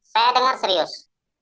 saya dengar serius